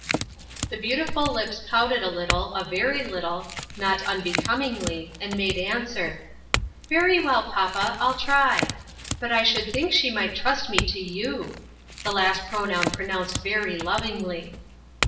The beautiful lips pouted a little, a very little, not unbecomingly, and made answer, " Very well, papa, I'll try ; but I should think she might trust me to you." The last pronoun pronounced very lovingly.